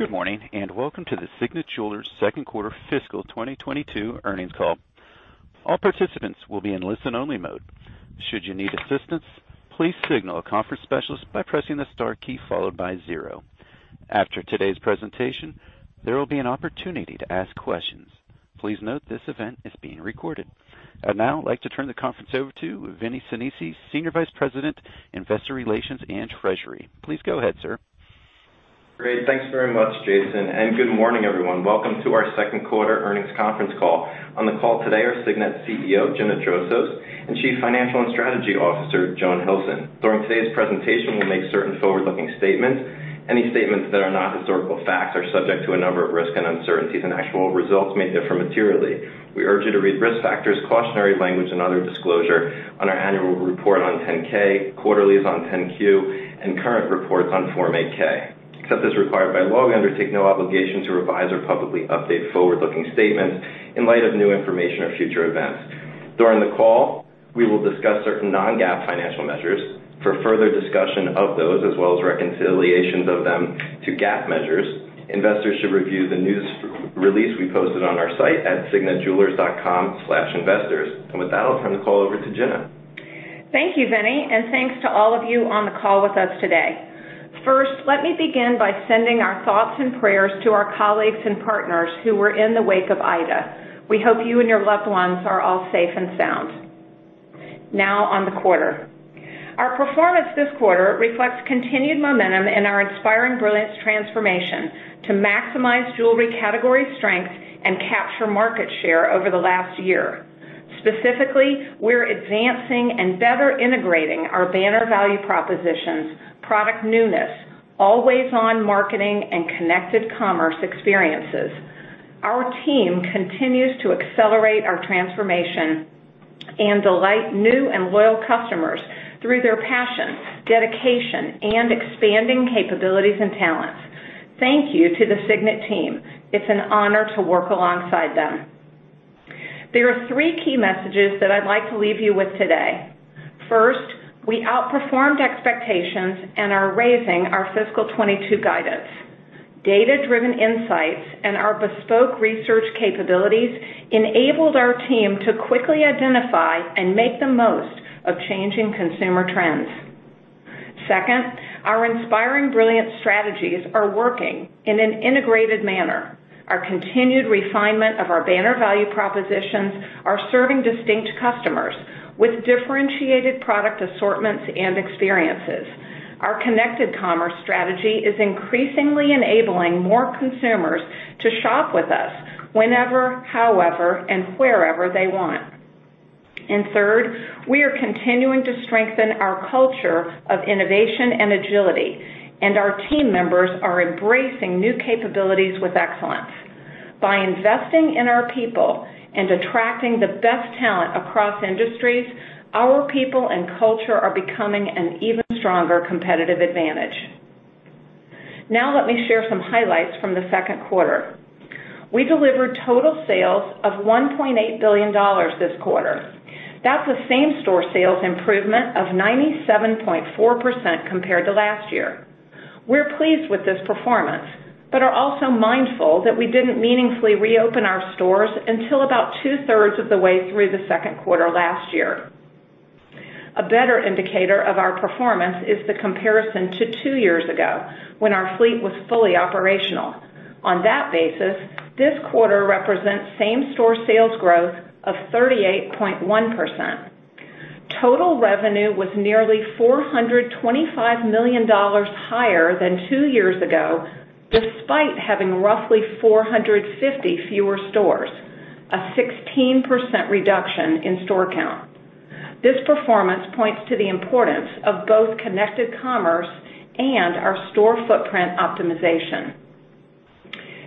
Good morning, welcome to the Signet Jewelers second quarter fiscal 2022 earnings call. All participants will be in listen-only mode. Should you need assistance, please signal a conference specialist by pressing the star key, followed by zero. After today's presentation, there will be an opportunity to ask questions. Please note this event is being recorded. I'd now like to turn the conference over to Vinnie Sinisi, Senior Vice President, Investor Relations and Treasury. Please go ahead, sir. Great. Thanks very much, Jason. Good morning, everyone. Welcome to our second quarter earnings conference call. On the call today are Signet CEO, Gina Drosos, and Chief Financial and Strategy Officer, Joan Hilson. During today's presentation, we'll make certain forward-looking statements. Any statements that are not historical facts are subject to a number of risks and uncertainties, and actual results may differ materially. We urge you to read risk factors, cautionary language, and other disclosure on our annual report on 10-K, quarterlies on 10-Q, and current reports on Form 8-K. Except as required by law, we undertake no obligation to revise or publicly update forward-looking statements in light of new information or future events. During the call, we will discuss certain non-GAAP financial measures. For further discussion of those, as well as reconciliations of them to GAAP measures, investors should review the news release we posted on our site at signetjewelers.com/investors. With that, I'll turn the call over to Gina. Thank you, Vinnie, and thanks to all of you on the call with us today. First, let me begin by sending our thoughts and prayers to our colleagues and partners who were in the wake of Ida. We hope you and your loved ones are all safe and sound. Now, on the quarter. Our performance this quarter reflects continued momentum in our Inspiring Brilliance transformation to maximize jewelry category strength and capture market share over the last year. Specifically, we're advancing and better integrating our banner value propositions, product newness, always-on marketing, and connected commerce experiences. Our team continues to accelerate our transformation and delight new and loyal customers through their passion, dedication, and expanding capabilities and talents. Thank you to the Signet team. It's an honor to work alongside them. There are three key messages that I'd like to leave you with today. First, we outperformed expectations and are raising our fiscal 2022 guidance. Data-driven insights and our bespoke research capabilities enabled our team to quickly identify and make the most of changing consumer trends. Second, our Inspiring Brilliance strategies are working in an integrated manner. Our continued refinement of our banner value propositions are serving distinct customers with differentiated product assortments and experiences. Our connected commerce strategy is increasingly enabling more consumers to shop with us whenever, however, and wherever they want. Third, we are continuing to strengthen our culture of innovation and agility, and our team members are embracing new capabilities with excellence. By investing in our people and attracting the best talent across industries, our people and culture are becoming an even stronger competitive advantage. Now let me share some highlights from the second quarter. We delivered total sales of $1.8 billion this quarter. That's a same-store sales improvement of 97.4% compared to last year. We're pleased with this performance, but are also mindful that we didn't meaningfully reopen our stores until about two-thirds of the way through the second quarter last year. A better indicator of our performance is the comparison to two years ago, when our fleet was fully operational. On that basis, this quarter represents same-store sales growth of 38.1%. Total revenue was nearly $425 million higher than two years ago, despite having roughly 450 fewer stores, a 16% reduction in store count. This performance points to the importance of both connected commerce and our store footprint optimization.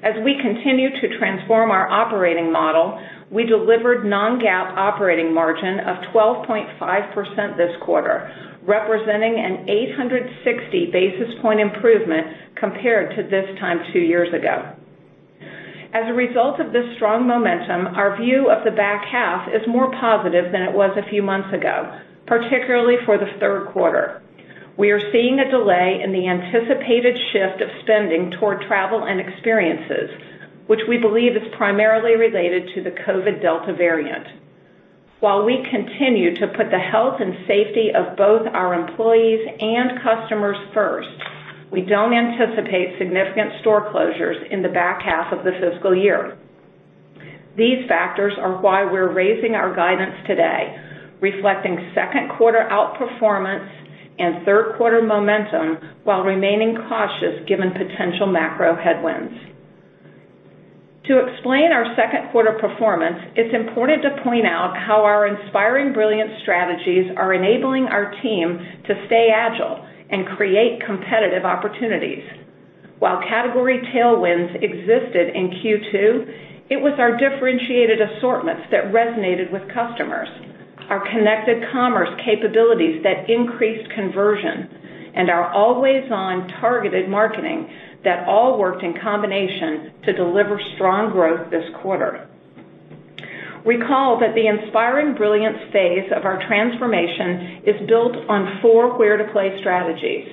As we continue to transform our operating model, we delivered non-GAAP operating margin of 12.5% this quarter, representing an 860 basis point improvement compared to this time two years ago. As a result of this strong momentum, our view of the back half is more positive than it was a few months ago, particularly for the third quarter. We are seeing a delay in the anticipated shift of spending toward travel and experiences, which we believe is primarily related to the COVID Delta variant. While we continue to put the health and safety of both our employees and customers first, we don't anticipate significant store closures in the back half of the fiscal year. These factors are why we're raising our guidance today, reflecting second quarter outperformance and third quarter momentum while remaining cautious given potential macro headwinds. To explain our second quarter performance, it's important to point out how our Inspiring Brilliance strategies are enabling our team to stay agile and create competitive opportunities. While category tailwinds existed in Q2, it was our differentiated assortments that resonated with customers, our connected commerce capabilities that increased conversion, and our always-on targeted marketing that all worked in combination to deliver strong growth this quarter. Recall that the Inspiring Brilliance phase of our transformation is built on four where to play strategies: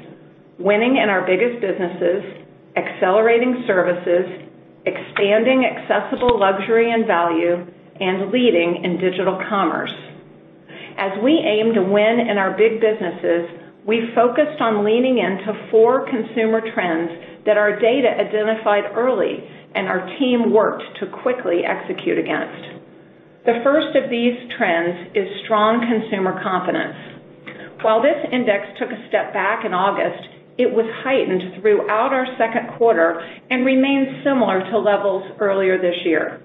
winning in our biggest businesses, accelerating services, expanding accessible luxury and value, and leading in digital commerce. As we aim to win in our big businesses, we focused on leaning into four consumer trends that our data identified early and our team worked to quickly execute against. The first of these trends is strong consumer confidence. While this index took a step back in August, it was heightened throughout our second quarter and remains similar to levels earlier this year.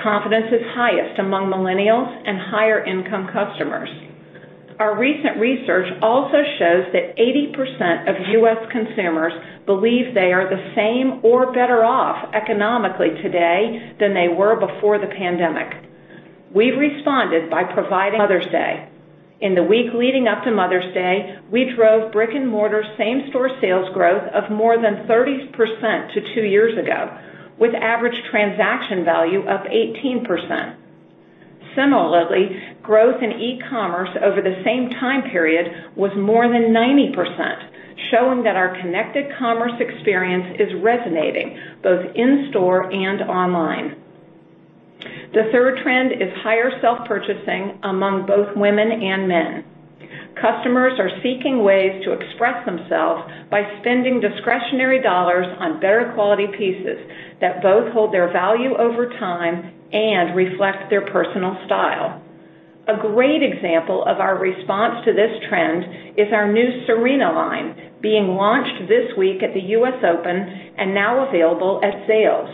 Confidence is highest among millennials and higher-income customers. Our recent research also shows that 80% of U.S. consumers believe they are the same or better off economically today than they were before the pandemic. We responded by providing Mother's Day. In the week leading up to Mother's Day, we drove brick-and-mortar same-store sales growth of more than 30% to two years ago, with average transaction value up 18%. Similarly, growth in e-commerce over the same time period was more than 90%, showing that our connected commerce experience is resonating both in-store and online. The third trend is higher self-purchasing among both women and men. Customers are seeking ways to express themselves by spending discretionary dollars on better quality pieces that both hold their value over time and reflect their personal style. A great example of our response to this trend is our new Serena line being launched this week at the U.S. Open and now available at Zales.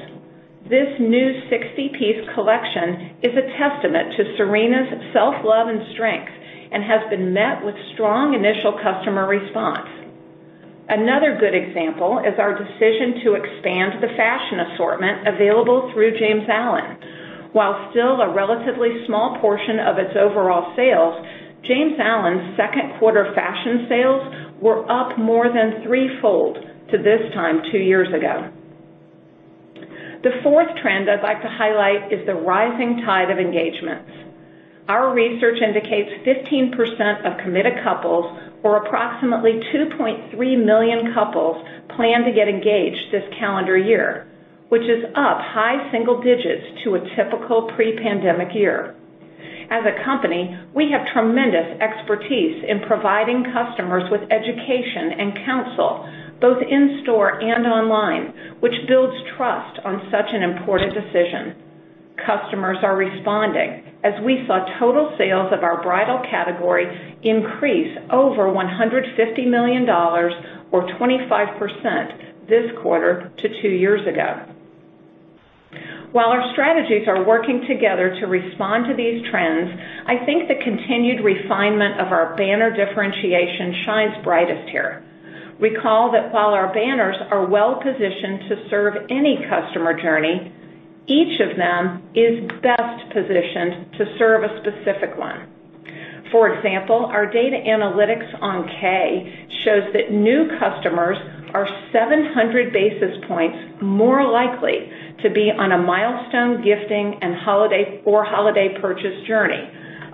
This new 60-piece collection is a testament to Serena's self-love and strength and has been met with strong initial customer response. Another good example is our decision to expand the fashion assortment available through James Allen. While still a relatively small portion of its overall sales, James Allen's second-quarter fashion sales were up more than threefold to this time two years ago. The fourth trend I'd like to highlight is the rising tide of engagements. Our research indicates 15% of committed couples, or approximately 2.3 million couples, plan to get engaged this calendar year, which is up high single digits to a typical pre-pandemic year. As a company, we have tremendous expertise in providing customers with education and counsel, both in-store and online, which builds trust on such an important decision. Customers are responding as we saw total sales of our bridal category increase over $150 million or 25% this quarter to two years ago. While our strategies are working together to respond to these trends, I think the continued refinement of our banner differentiation shines brightest here. Recall that while our banners are well-positioned to serve any customer journey, each of them is best positioned to serve a specific one. For example, our data analytics on Kay shows that new customers are 700 basis points more likely to be on a milestone gifting or holiday purchase journey,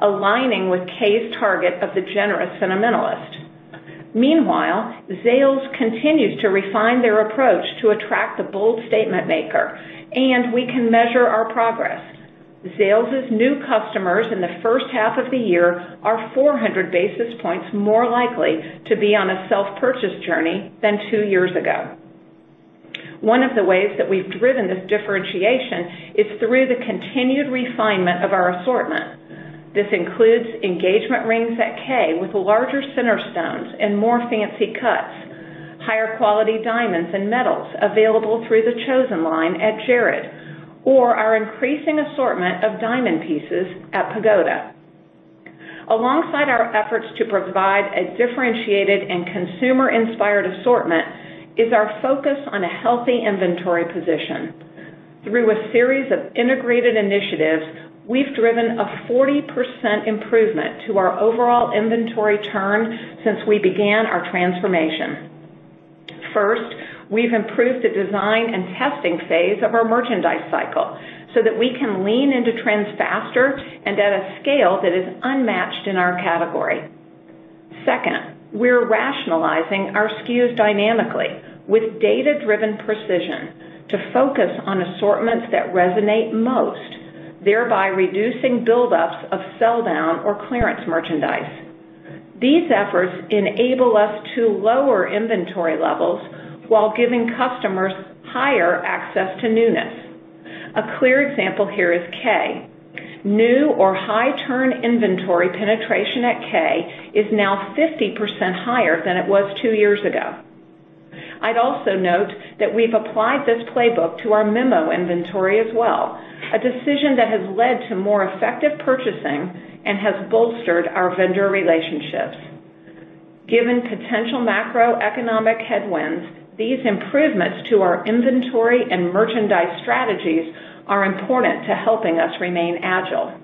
aligning with Kay's target of the generous sentimentalist. Meanwhile, Zales continues to refine their approach to attract the bold statement maker. We can measure our progress. Zales' new customers in the first half of the year are 400 basis points more likely to be on a self-purchase journey than two years ago. One of the ways that we've driven this differentiation is through the continued refinement of our assortment. This includes engagement rings at Kay with larger center stones and more fancy cuts, higher-quality diamonds and metals available through the Chosen by Jared at Jared, or our increasing assortment of diamond pieces at Pagoda. Alongside our efforts to provide a differentiated and consumer-inspired assortment is our focus on a healthy inventory position. Through a series of integrated initiatives, we've driven a 40% improvement to our overall inventory turn since we began our transformation. First, we've improved the design and testing phase of our merchandise cycle so that we can lean into trends faster and at a scale that is unmatched in our category. Second, we're rationalizing our SKUs dynamically with data-driven precision to focus on assortments that resonate most, thereby reducing buildups of sell down or clearance merchandise. These efforts enable us to lower inventory levels while giving customers higher access to newness. A clear example here is Kay. New or high-turn inventory penetration at Kay is now 50% higher than it was two years ago. I'd also note that we've applied this playbook to our memo inventory as well, a decision that has led to more effective purchasing and has bolstered our vendor relationships. Given potential macroeconomic headwinds, these improvements to our inventory and merchandise strategies are important to helping us remain agile.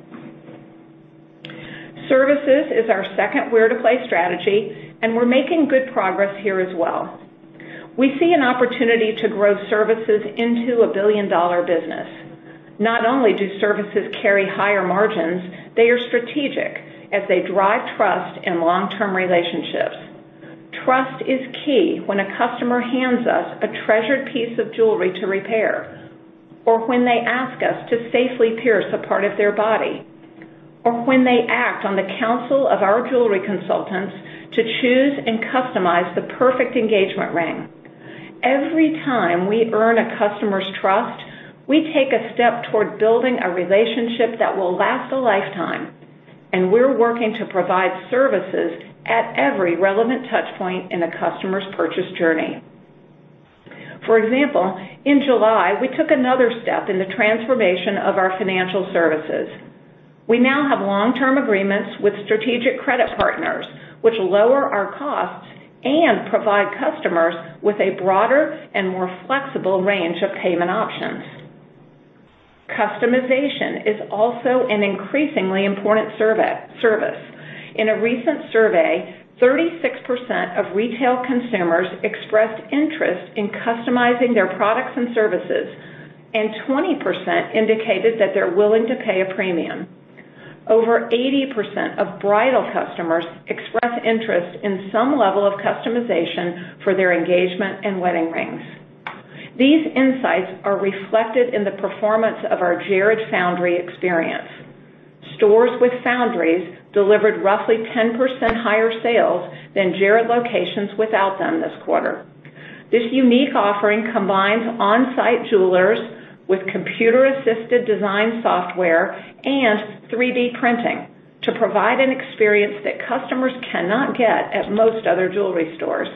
Services is our second where-to-play strategy, and we're making good progress here as well. We see an opportunity to grow services into a billion-dollar business. Not only do services carry higher margins, they are strategic as they drive trust and long-term relationships. Trust is key when a customer hands us a treasured piece of jewelry to repair, or when they ask us to safely pierce a part of their body, or when they act on the counsel of our jewelry consultants to choose and customize the perfect engagement ring. Every time we earn a customer's trust, we take a step toward building a relationship that will last a lifetime, and we're working to provide services at every relevant touch point in a customer's purchase journey. For example, in July, we took another step in the transformation of our financial services. We now have long-term agreements with strategic credit partners, which lower our costs and provide customers with a broader and more flexible range of payment options. Customization is also an increasingly important service. In a recent survey, 36% of retail consumers expressed interest in customizing their products and services, and 20% indicated that they're willing to pay a premium. Over 80% of bridal customers express interest in some level of customization for their engagement and wedding rings. These insights are reflected in the performance of our Jared Foundry experience. Stores with Foundries delivered roughly 10% higher sales than Jared without them this quarter. This unique offering combines on-site jewelers with computer-assisted design software and 3D printing to provide an experience that customers cannot get at most other jewelry stores.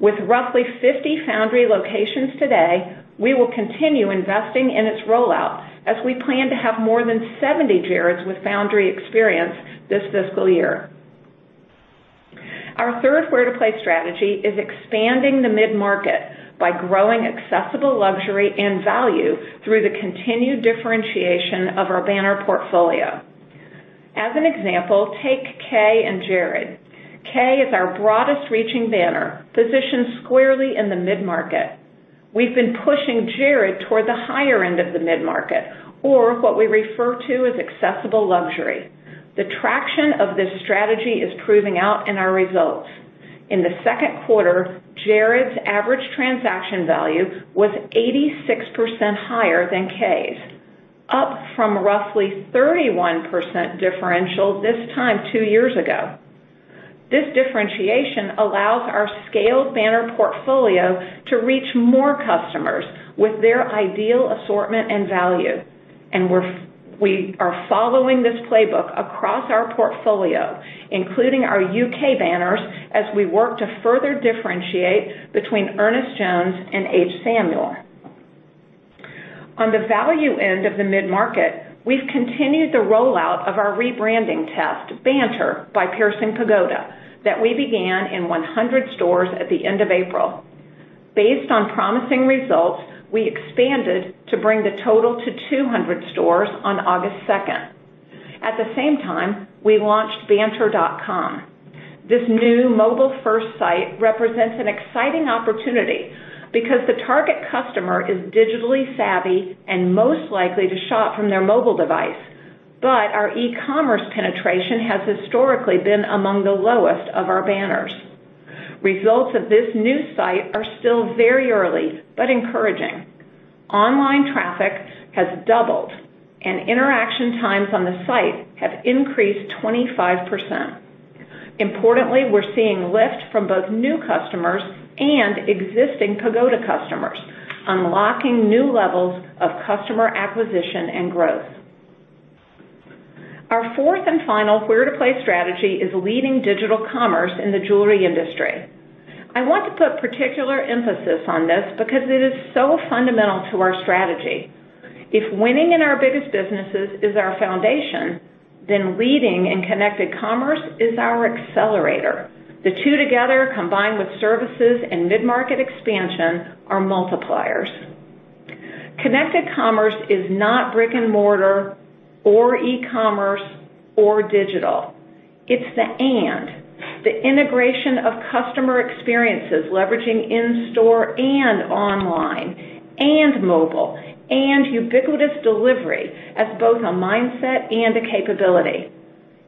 With roughly 50 Foundry locations today, we will continue investing in its rollout as we plan to have more than 70 Jared with Foundry experience this fiscal year. Our third where-to-play strategy is expanding the mid-market by growing accessible luxury and value through the continued differentiation of our banner portfolio. As an example, take Kay and Jared. Kay is our broadest-reaching banner, positioned squarely in the mid-market. We've been pushing Jared toward the higher end of the mid-market, or what we refer to as accessible luxury. The traction of this strategy is proving out in our results. In the second quarter, Jared's average transaction value was 86% higher than Kay's, up from roughly 31% differential this time two years ago. This differentiation allows our scaled banner portfolio to reach more customers with their ideal assortment and value. We are following this playbook across our portfolio, including our U.K. banners, as we work to further differentiate between Ernest Jones and H. Samuel. On the value end of the mid-market, we've continued the rollout of our rebranding test, Banter by Piercing Pagoda, that we began in 100 stores at the end of April. Based on promising results, we expanded to bring the total to 200 stores on August 2nd. At the same time, we launched banter.com. This new mobile-first site represents an exciting opportunity because the target customer is digitally savvy and most likely to shop from their mobile device. Our e-commerce penetration has historically been among the lowest of our banners. Results of this new site are still very early, but encouraging. Online traffic has doubled, and interaction times on the site have increased 25%. Importantly, we're seeing lift from both new customers and existing Pagoda customers, unlocking new levels of customer acquisition and growth. Our fourth and final where-to-play strategy is leading digital commerce in the jewelry industry. I want to put particular emphasis on this because it is so fundamental to our strategy. If winning in our biggest businesses is our foundation, leading in connected commerce is our accelerator. The two together, combined with services and mid-market expansion, are multipliers. Connected commerce is not brick and mortar or e-commerce or digital. It's the and. The integration of customer experiences leveraging in-store and online and mobile and ubiquitous delivery as both a mindset and a capability.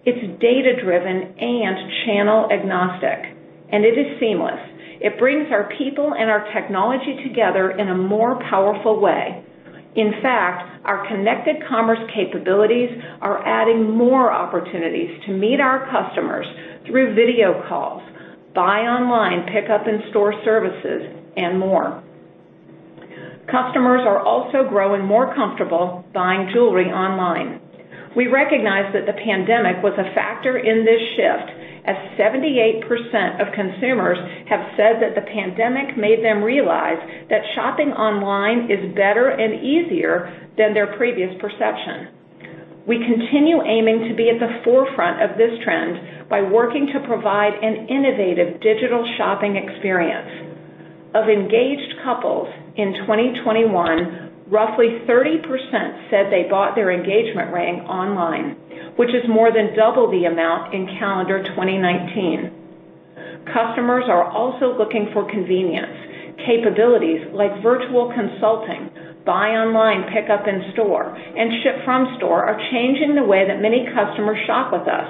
It's data-driven and channel-agnostic, it is seamless. It brings our people and our technology together in a more powerful way. In fact, our connected commerce capabilities are adding more opportunities to meet our customers through video calls, buy online, pick up in-store services, and more. Customers are also growing more comfortable buying jewelry online. We recognize that the pandemic was a factor in this shift, as 78% of consumers have said that the pandemic made them realize that shopping online is better and easier than their previous perception. We continue aiming to be at the forefront of this trend by working to provide an innovative digital shopping experience. Of engaged couples in 2021, roughly 30% said they bought their engagement ring online, which is more than double the amount in calendar 2019. Customers are also looking for convenience. Capabilities like virtual consulting, buy online pickup in store, and ship from store are changing the way that many customers shop with us.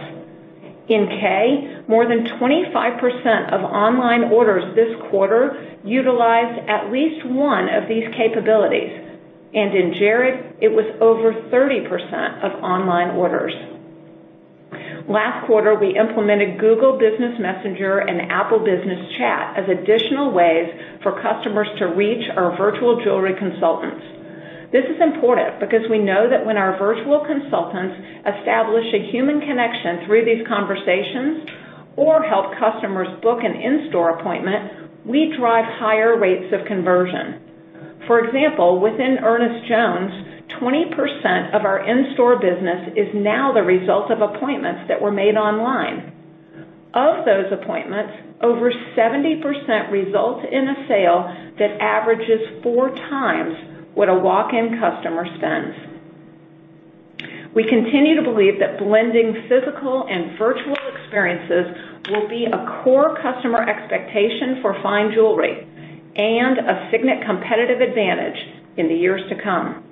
In Kay, more than 25% of online orders this quarter utilized at least one of these capabilities. In Jared, it was over 30% of online orders. Last quarter, we implemented Google Business Messages and Apple Business Chat as additional ways for customers to reach our virtual jewelry consultants. This is important because we know that when our virtual consultants establish a human connection through these conversations or help customers book an in-store appointment, we drive higher rates of conversion. For example, within Ernest Jones, 20% of our in-store business is now the result of appointments that were made online. Of those appointments, over 70% result in a sale that averages four times what a walk-in customer spends. We continue to believe that blending physical and virtual experiences will be a core customer expectation for fine jewelry and a Signet competitive advantage in the years to come.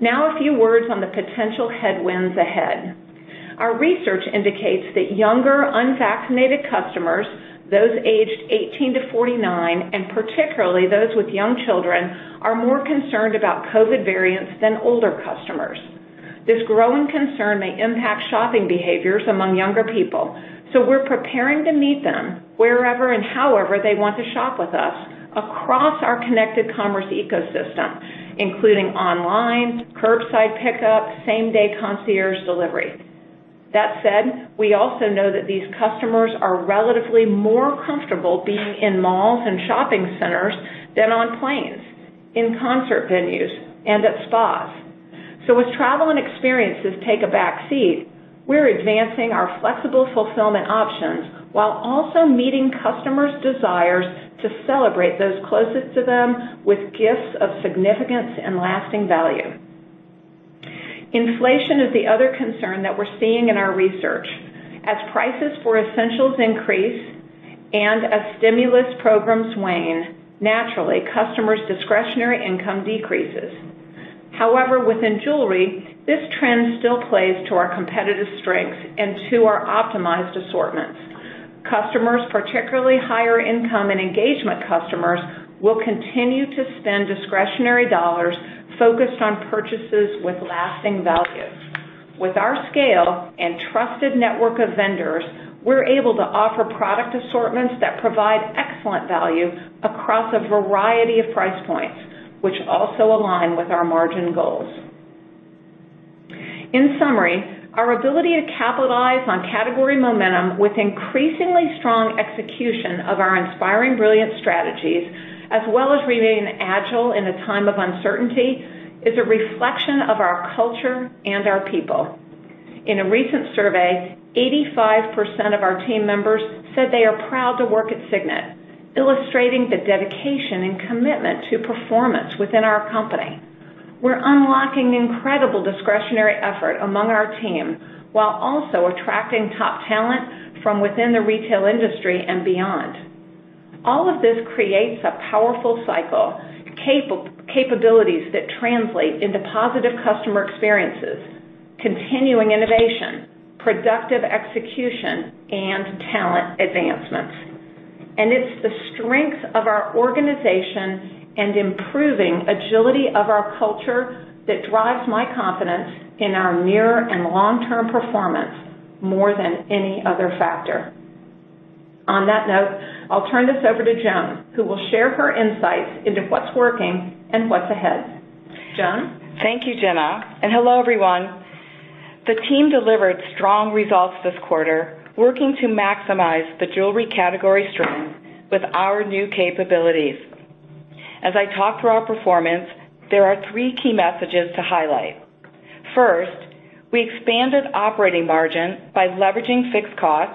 Now a few words on the potential headwinds ahead. Our research indicates that younger unvaccinated customers, those aged 18 to 49, and particularly those with young children, are more concerned about COVID variants than older customers. This growing concern may impact shopping behaviors among younger people, so we're preparing to meet them wherever and however they want to shop with us across our connected commerce ecosystem, including online, curbside pickup, same-day concierge delivery. That said, we also know that these customers are relatively more comfortable being in malls and shopping centers than on planes, in concert venues, and at spas. As travel and experiences take a backseat, we're advancing our flexible fulfillment options while also meeting customers' desires to celebrate those closest to them with gifts of significance and lasting value. Inflation is the other concern that we're seeing in our research. As prices for essentials increase and as stimulus programs wane, naturally, customers' discretionary income decreases. However, within jewelry, this trend still plays to our competitive strengths and to our optimized assortments. Customers, particularly higher income and engagement customers, will continue to spend discretionary dollars focused on purchases with lasting value. With our scale and trusted network of vendors, we're able to offer product assortments that provide excellent value across a variety of price points, which also align with our margin goals. In summary, our ability to capitalize on category momentum with increasingly strong execution of our Inspiring Brilliance strategies, as well as remaining agile in a time of uncertainty, is a reflection of our culture and our people. In a recent survey, 85% of our team members said they are proud to work at Signet, illustrating the dedication and commitment to performance within our company. We're unlocking incredible discretionary effort among our team, while also attracting top talent from within the retail industry and beyond. All of this creates a powerful cycle, capabilities that translate into positive customer experiences, continuing innovation, productive execution, and talent advancements. It's the strength of our organization and improving agility of our culture that drives my confidence in our near and long-term performance more than any other factor. On that note, I'll turn this over to Joan, who will share her insights into what's working and what's ahead. Joan? Thank you, Gina, and hello, everyone. The team delivered strong results this quarter, working to maximize the jewelry category strength with our new capabilities. As I talk through our performance, there are three key messages to highlight. First, we expanded operating margin by leveraging fixed costs,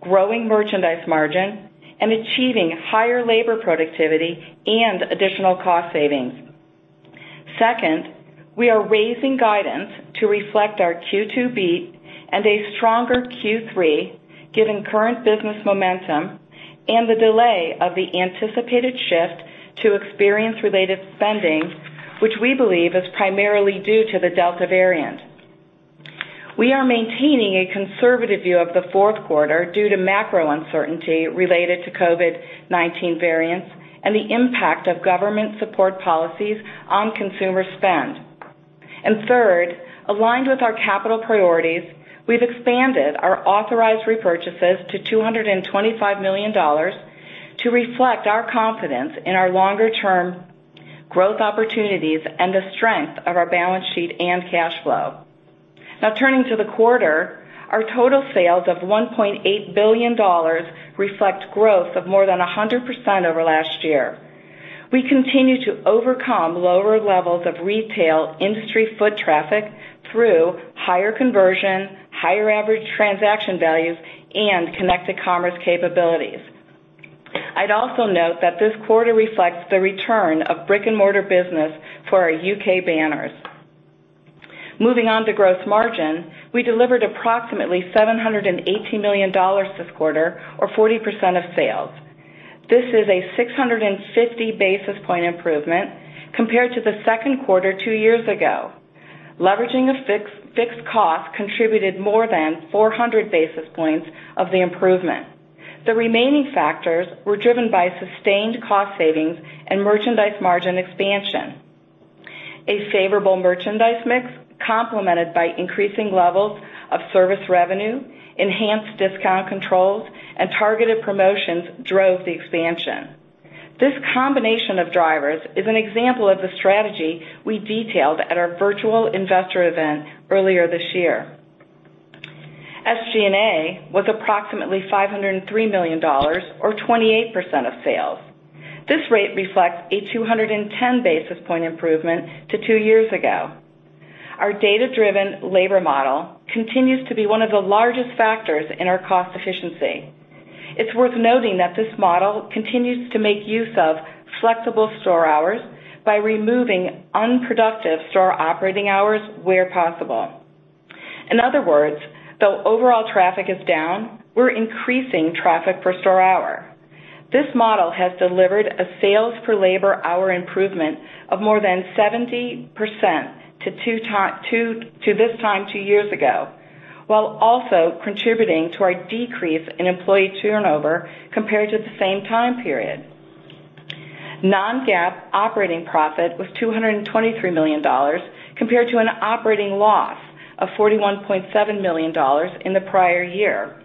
growing merchandise margin, and achieving higher labor productivity and additional cost savings. Second, we are raising guidance to reflect our Q2 beat and a stronger Q3, given current business momentum and the delay of the anticipated shift to experience-related spending, which we believe is primarily due to the Delta variant. We are maintaining a conservative view of the fourth quarter due to macro uncertainty related to COVID-19 variants and the impact of government support policies on consumer spend. Third, aligned with our capital priorities, we've expanded our authorized repurchases to $225 million to reflect our confidence in our longer-term growth opportunities and the strength of our balance sheet and cash flow. Now turning to the quarter, our total sales of $1.8 billion reflect growth of more than 100% over last year. We continue to overcome lower levels of retail industry foot traffic through higher conversion, higher average transaction values, and connected commerce capabilities. I'd also note that this quarter reflects the return of brick-and-mortar business for our U.K. banners. Moving on to gross margin. We delivered approximately $780 million this quarter or 40% of sales. This is a 650 basis point improvement compared to the second quarter two years ago. Leveraging the fixed cost contributed more than 400 basis points of the improvement. The remaining factors were driven by sustained cost savings and merchandise margin expansion. A favorable merchandise mix complemented by increasing levels of service revenue, enhanced discount controls, and targeted promotions drove the expansion. This combination of drivers is an example of the strategy we detailed at our virtual investor event earlier this year. SG&A was approximately $503 million or 28% of sales. This rate reflects a 210 basis point improvement to two years ago. Our data-driven labor model continues to be one of the largest factors in our cost efficiency. It's worth noting that this model continues to make use of flexible store hours by removing unproductive store operating hours where possible. In other words, though overall traffic is down, we're increasing traffic per store hour. This model has delivered a sales per labor hour improvement of more than 70% to this time two years ago, while also contributing to our decrease in employee turnover compared to the same time period. Non-GAAP operating profit was $223 million compared to an operating loss of $41.7 million in the prior year.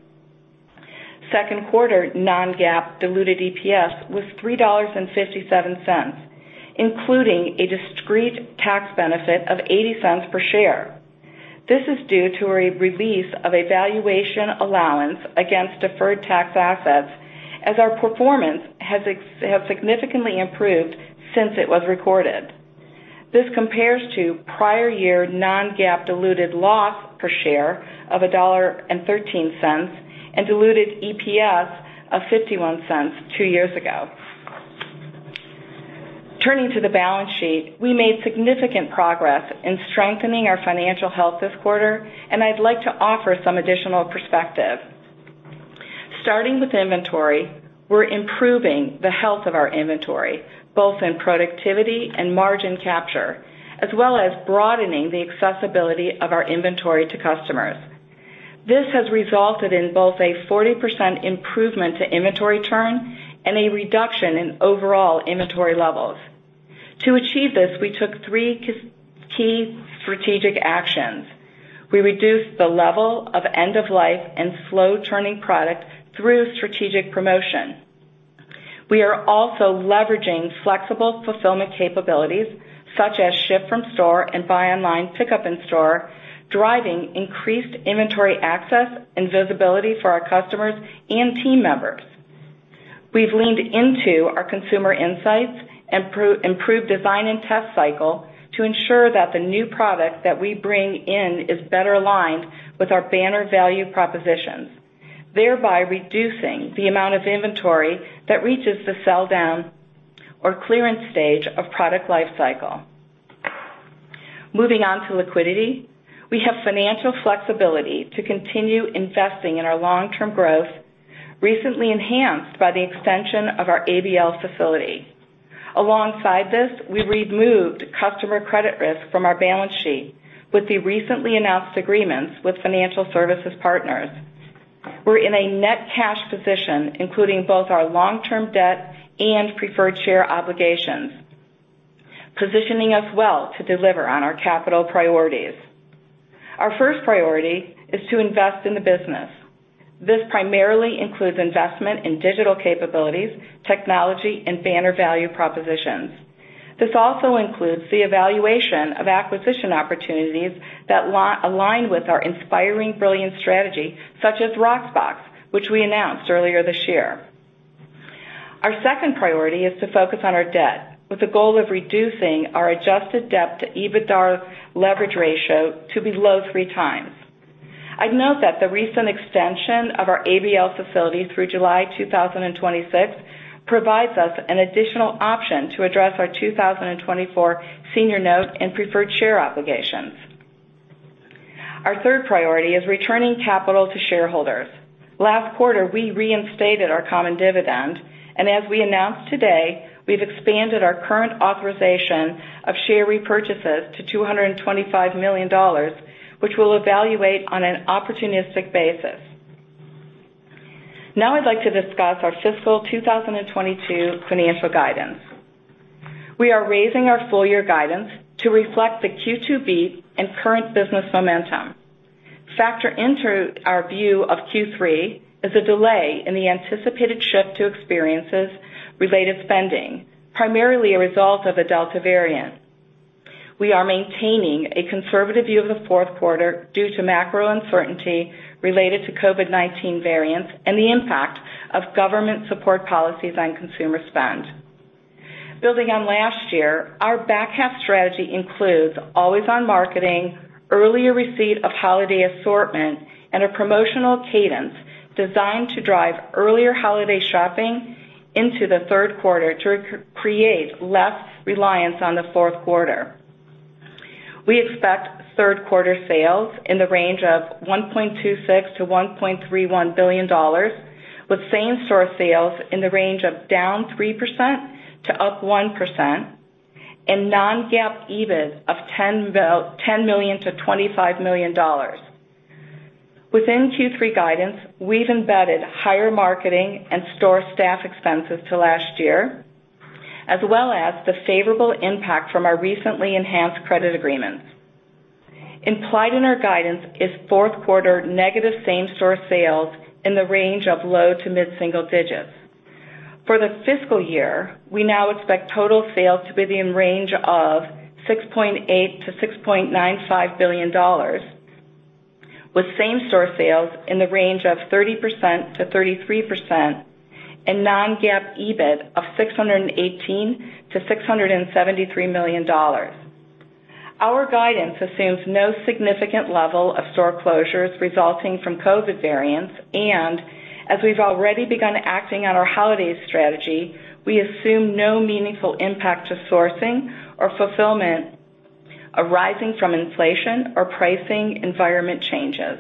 Second quarter non-GAAP diluted EPS was $3.57, including a discrete tax benefit of $0.80 per share. This is due to a release of a valuation allowance against deferred tax assets, as our performance has significantly improved since it was recorded. This compares to prior year non-GAAP diluted loss per share of $1.13 and diluted EPS of $0.51 two years ago. Turning to the balance sheet, we made significant progress in strengthening our financial health this quarter, and I'd like to offer some additional perspective. Starting with inventory, we're improving the health of our inventory, both in productivity and margin capture, as well as broadening the accessibility of our inventory to customers. This has resulted in both a 40% improvement to inventory turn and a reduction in overall inventory levels. To achieve this, we took three key strategic actions. We reduced the level of end-of-life and slow-turning product through strategic promotion. We are also leveraging flexible fulfillment capabilities such as ship from store and buy online, pickup in store, driving increased inventory access and visibility for our customers and team members. We've leaned into our consumer insights, improved design and test cycle to ensure that the new product that we bring in is better aligned with our banner value propositions, thereby reducing the amount of inventory that reaches the sell down or clearance stage of product life cycle. Moving on to liquidity. We have financial flexibility to continue investing in our long-term growth, recently enhanced by the extension of our ABL facility. Alongside this, we removed customer credit risk from our balance sheet with the recently announced agreements with financial services partners. We're in a net cash position, including both our long-term debt and preferred share obligations, positioning us well to deliver on our capital priorities. Our first priority is to invest in the business. This primarily includes investment in digital capabilities, technology, and banner value propositions. This also includes the evaluation of acquisition opportunities that align with our Inspiring Brilliance strategy, such as Rocksbox, which we announced earlier this year. Our second priority is to focus on our debt, with the goal of reducing our adjusted debt-to-EBITDA leverage ratio to below 3 times. I'd note that the recent extension of our ABL facility through July 2026 provides us an additional option to address our 2024 senior note and preferred share obligations. Our third priority is returning capital to shareholders. Last quarter, we reinstated our common dividend, and as we announced today, we've expanded our current authorization of share repurchases to $225 million, which we'll evaluate on an opportunistic basis. Now I'd like to discuss our fiscal 2022 financial guidance. We are raising our full year guidance to reflect the Q2 beat and current business momentum. Factored into our view of Q3 is a delay in the anticipated shift to experiences-related spending, primarily a result of the Delta variant. We are maintaining a conservative view of the fourth quarter due to macro uncertainty related to COVID-19 variants and the impact of government support policies on consumer spend. Building on last year, our back half strategy includes always-on marketing, earlier receipt of holiday assortment, and a promotional cadence designed to drive earlier holiday shopping into the third quarter to create less reliance on the fourth quarter. We expect third quarter sales in the range of $1.26 billion-$1.31 billion, with same-store sales in the range of down 3% to up 1%, and non-GAAP EBIT of $10 million-$25 million. Within Q3 guidance, we've embedded higher marketing and store staff expenses to last year, as well as the favorable impact from our recently enhanced credit agreements. Implied in our guidance is fourth quarter negative same-store sales in the range of low to mid single digits. For the fiscal year, we now expect total sales to be in the range of $6.8 billion-$6.95 billion, with same-store sales in the range of 30%-33%, and non-GAAP EBIT of $618 million-$673 million. Our guidance assumes no significant level of store closures resulting from COVID variants. As we've already begun acting on our holiday strategy, we assume no meaningful impact to sourcing or fulfillment arising from inflation or pricing environment changes.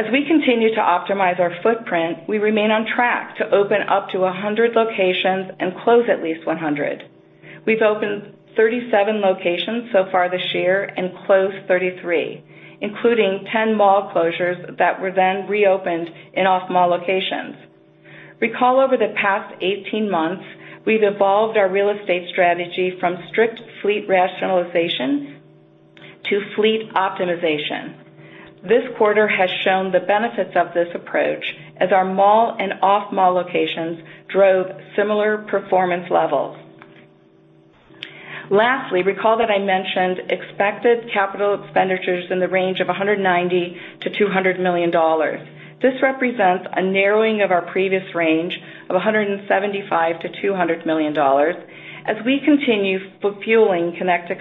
As we continue to optimize our footprint, we remain on track to open up to 100 locations and close at least 100. We've opened 37 locations so far this year and closed 33, including 10 mall closures that were then reopened in off-mall locations. Recall over the past 18 months, we've evolved our real estate strategy from strict fleet rationalization to fleet optimization. This quarter has shown the benefits of this approach as our mall and off-mall locations drove similar performance levels. Lastly, recall that I mentioned expected capital expenditures in the range of $190 million-$200 million. This represents a narrowing of our previous range of $175 million-$200 million as we continue fueling connected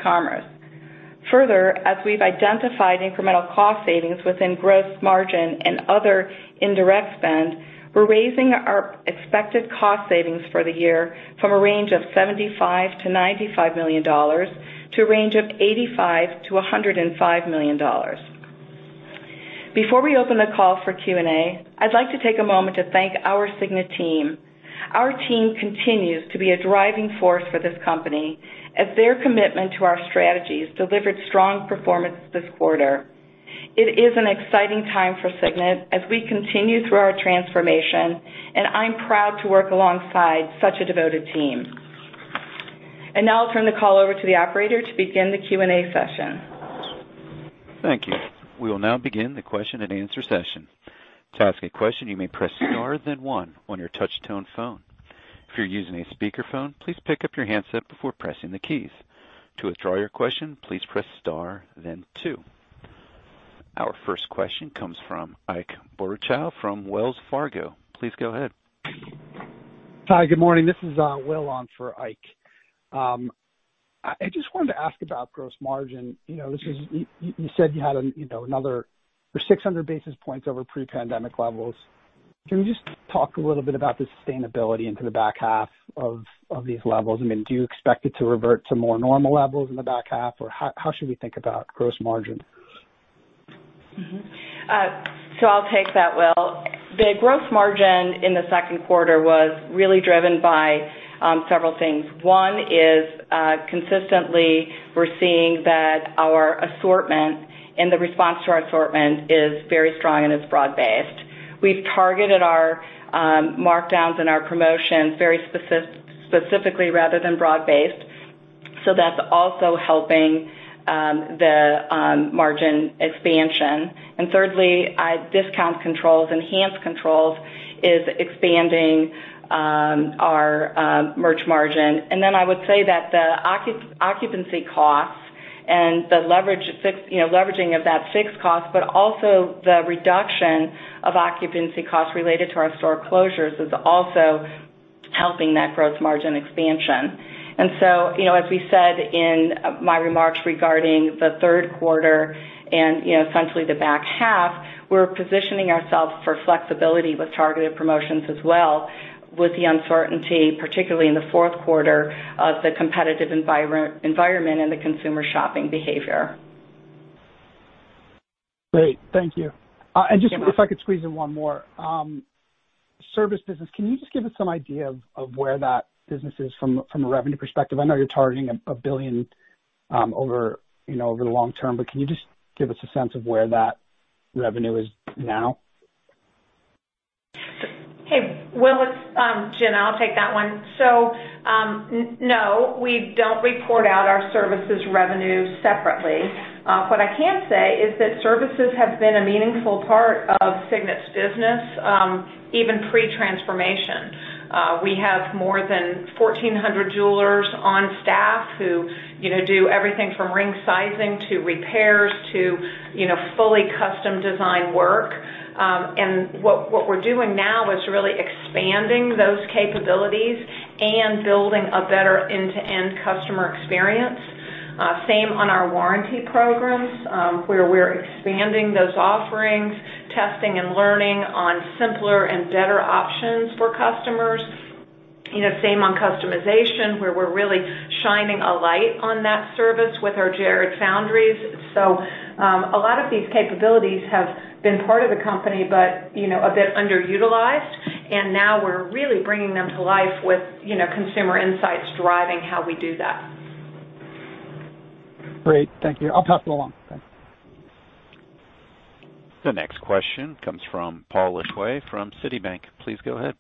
commerce. As we've identified incremental cost savings within gross margin and other indirect spend, we're raising our expected cost savings for the year from a range of $75 million-$95 million to a range of $85 million-$105 million. Before we open the call for Q&A, I'd like to take a moment to thank our Signet team. Our team continues to be a driving force for this company as their commitment to our strategies delivered strong performance this quarter. It is an exciting time for Signet as we continue through our transformation, and I'm proud to work alongside such a devoted team. Now I'll turn the call over to the operator to begin the Q&A session. Thank you. We will now begin the question and answer session. Our first question comes from Ike Boruchow from Wells Fargo. Please go ahead. Hi. Good morning. This is Will on for Ike. I just wanted to ask about gross margin. You said you had another 600 basis points over pre-pandemic levels. Can we just talk a little bit about the sustainability into the back half of these levels? Do you expect it to revert to more normal levels in the back half? How should we think about gross margin? I'll take that, Will. The gross margin in the second quarter was really driven by several things. One is, consistently, we're seeing that our assortment and the response to our assortment is very strong and is broad-based. We've targeted our markdowns and our promotions very specifically rather than broad based, that's also helping the margin expansion. Thirdly, discount controls, enhanced controls is expanding our merch margin. I would say that the occupancy costs and the leveraging of that fixed cost, but also the reduction of occupancy costs related to our store closures is also helping that gross margin expansion. As we said in my remarks regarding the third quarter and essentially the back half, we're positioning ourselves for flexibility with targeted promotions as well, with the uncertainty, particularly in the fourth quarter of the competitive environment and the consumer shopping behavior. Great. Thank you. You're welcome. Just if I could squeeze in one more. Service business, can you just give us some idea of where that business is from a revenue perspective? I know you're targeting $1 billion over the long term, but can you just give us a sense of where that revenue is now? Hey, Will, it's Gina. I'll take that one. No, we don't report out our services revenue separately. What I can say is that services have been a meaningful part of Signet's business, even pre-transformation. We have more than 1,400 jewelers on staff who do everything from ring sizing to repairs to fully custom design work. What we're doing now is really expanding those capabilities and building a better end-to-end customer experience. Same on our warranty programs, where we're expanding those offerings, testing and learning on simpler and better options for customers. Same on customization, where we're really shining a light on that service with our Jared foundries. A lot of these capabilities have been part of the company, but a bit underutilized, and now we're really bringing them to life with consumer insights driving how we do that. Great. Thank you. I'll pass it along. Thanks. The next question comes from Paul Lejuez from Citi. Please go ahead.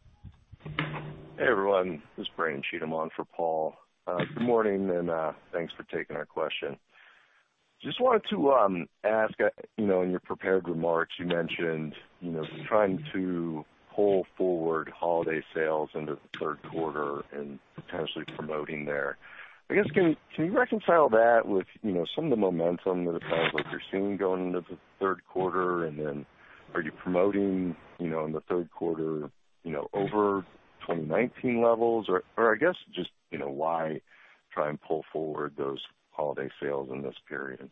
Hey, everyone, this is Brian Cheatham on for Paul. Good morning, and thanks for taking our question. Just wanted to ask, in your prepared remarks, you mentioned trying to pull forward holiday sales into the third quarter and potentially promoting there. I guess, can you reconcile that with some of the momentum that it sounds like you're seeing going into the third quarter, and then are you promoting in the third quarter over 2019 levels? Or, I guess, just why try and pull forward those holiday sales in this period?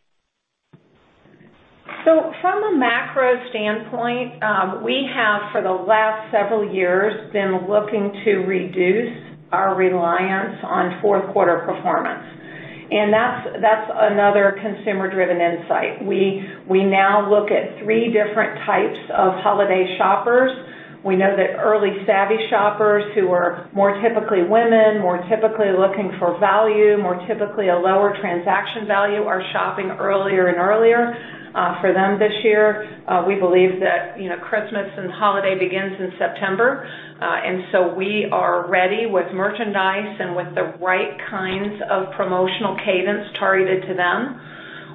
From a macro standpoint, we have, for the last several years, been looking to reduce our reliance on fourth quarter performance. That's another consumer-driven insight. We now look at three different types of holiday shoppers. We know that early savvy shoppers who are more typically women, more typically looking for value, more typically a lower transaction value, are shopping earlier and earlier. For them this year, we believe that Christmas and holiday begins in September. We are ready with merchandise and with the right kinds of promotional cadence targeted to them.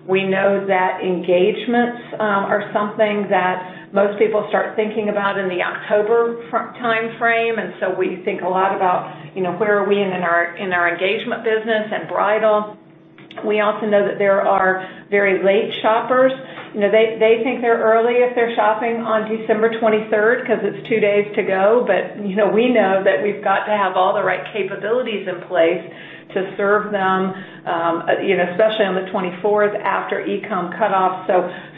We know that engagements are something that most people start thinking about in the October timeframe, and so we think a lot about where are we in our engagement business and bridal. We also know that there are very late shoppers. They think they're early if they're shopping on December 23rd because it's two days to go, but we know that we've got to have all the right capabilities in place to serve them, especially on the 24th after e-com cut-off.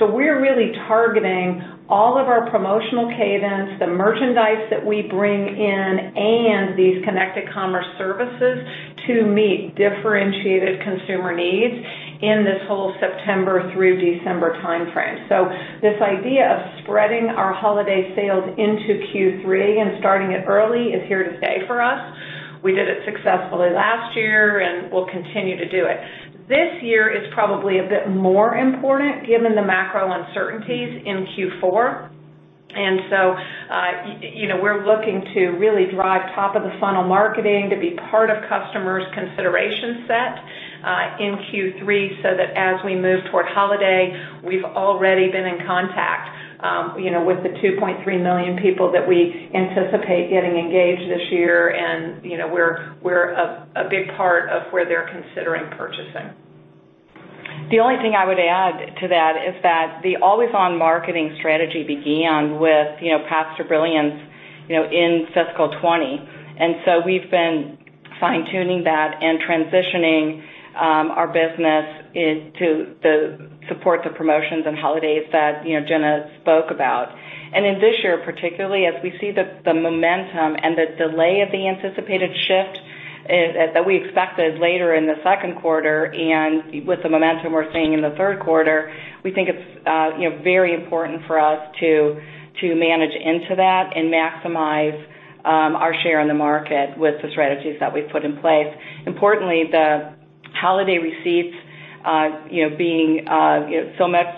We're really targeting all of our promotional cadence, the merchandise that we bring in, and these connected commerce services to meet differentiated consumer needs in this whole September through December timeframe. This idea of spreading our holiday sales into Q3 and starting it early is here to stay for us. We did it successfully last year, and we'll continue to do it. This year, it's probably a bit more important given the macro uncertainties in Q4. We're looking to really drive top-of-the-funnel marketing to be part of customers' consideration set, in Q3, so that as we move toward holiday, we've already been in contact with the 2.3 million people that we anticipate getting engaged this year, and we're a big part of where they're considering purchasing. The only thing I would add to that is that the always-on marketing strategy began with Path to Brilliance in fiscal 2020. We've been fine-tuning that and transitioning our business to support the promotions and holidays that Gina spoke about. In this year, particularly, as we see the momentum and the delay of the anticipated shift that we expected later in the second quarter and with the momentum we're seeing in the third quarter, we think it's very important for us to manage into that and maximize our share in the market with the strategies that we've put in place. Importantly, the holiday receipts,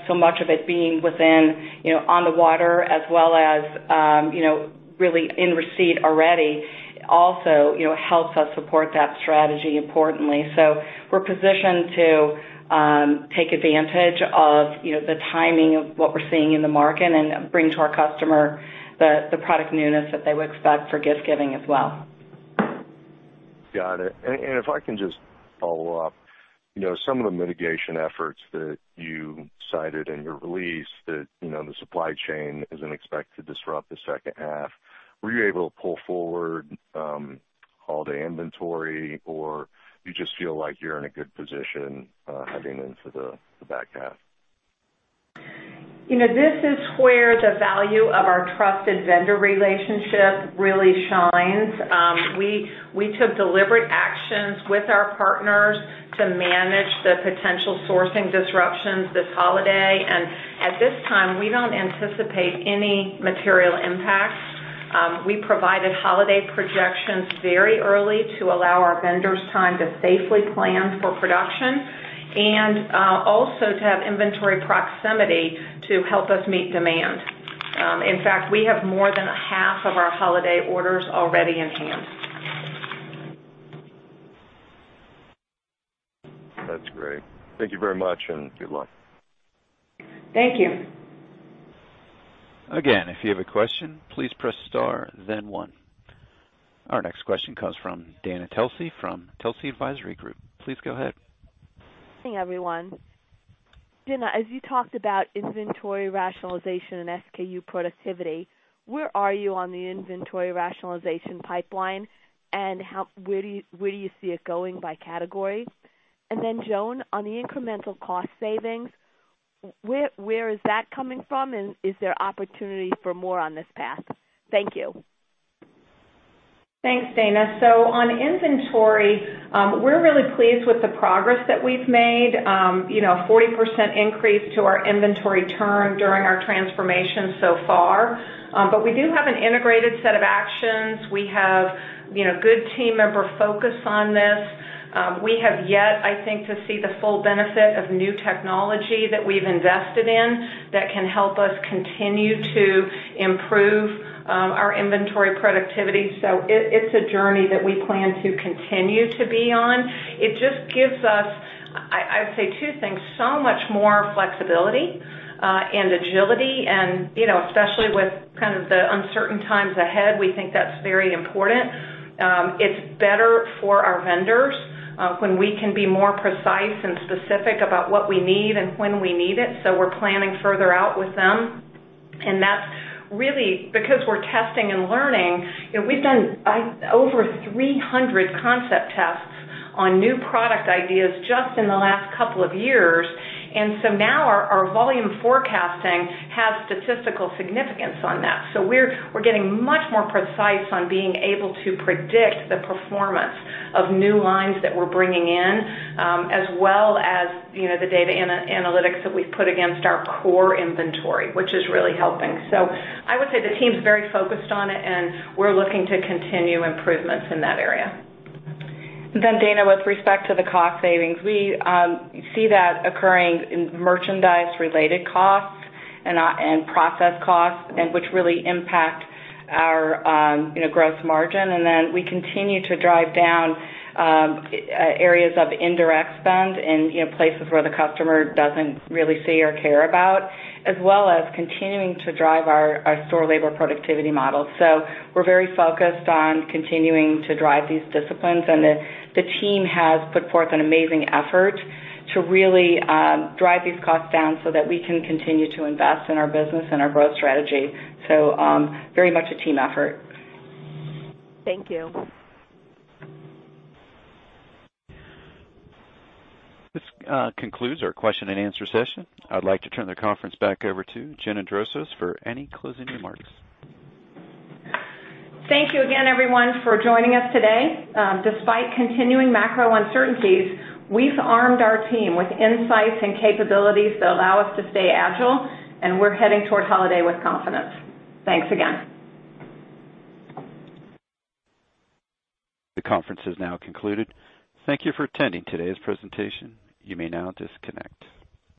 so much of it being within on the water as well as really in receipt already also helps us support that strategy importantly. We're positioned to take advantage of the timing of what we're seeing in the market and bring to our customer the product newness that they would expect for gift-giving as well. Got it. If I can just follow up, some of the mitigation efforts that you cited in your release that the supply chain isn't expected to disrupt the second half, were you able to pull forward holiday inventory, or you just feel like you're in a good position heading into the back half? This is where the value of our trusted vendor relationship really shines. We took deliberate actions with our partners to manage the potential sourcing disruptions this holiday, and at this time, we don't anticipate any material impacts. We provided holiday projections very early to allow our vendors time to safely plan for production and also to have inventory proximity to help us meet demand. In fact, we have more than half of our holiday orders already in hand. That's great. Thank you very much, and good luck. Thank you. Again, if you have a question, please press star then one. Our next question comes from Dana Telsey from Telsey Advisory Group. Please go ahead. Hey, everyone. Gina, as you talked about inventory rationalization and SKU productivity, where are you on the inventory rationalization pipeline, and where do you see it going by category? Joan, on the incremental cost savings, where is that coming from, and is there opportunity for more on this path? Thank you. Thanks, Dana. On inventory, we're really pleased with the progress that we've made. 40% increase to our inventory turn during our transformation so far. We do have an integrated set of actions. We have good team member focus on this. We have yet, I think, to see the full benefit of new technology that we've invested in that can help us continue to improve our inventory productivity. It's a journey that we plan to continue to be on. It just gives us, I would say two things, so much more flexibility and agility and, especially with the uncertain times ahead, we think that's very important. It's better for our vendors when we can be more precise and specific about what we need and when we need it, so we're planning further out with them. That's really because we're testing and learning. We've done over 300 concept tests on new product ideas just in the last couple of years. Now our volume forecasting has statistical significance on that. We're getting much more precise on being able to predict the performance of new lines that we're bringing in, as well as the data analytics that we've put against our core inventory, which is really helping. I would say the team's very focused on it and we're looking to continue improvements in that area. Dana, with respect to the cost savings, we see that occurring in merchandise related costs and process costs, and which really impact our gross margin. We continue to drive down areas of indirect spend in places where the customer doesn't really see or care about, as well as continuing to drive our store labor productivity model. We're very focused on continuing to drive these disciplines, and the team has put forth an amazing effort to really drive these costs down so that we can continue to invest in our business and our growth strategy. Very much a team effort. Thank you. This concludes our question and answer session. I'd like to turn the conference back over to Gina Drosos for any closing remarks. Thank you again, everyone, for joining us today. Despite continuing macro uncertainties, we've armed our team with insights and capabilities that allow us to stay agile, and we're heading toward holiday with confidence. Thanks again. The conference has now concluded. Thank you for attending today's presentation. You may now disconnect.